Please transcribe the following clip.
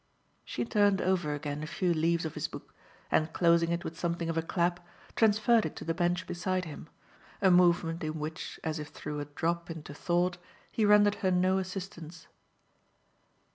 She turned over again a few leaves of his book and, closing it with something of a clap, transferred it to the bench beside him a movement in which, as if through a drop into thought, he rendered her no assistance.